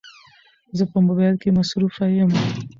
زه په موبایل کې مصروفه یم